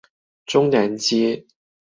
中南街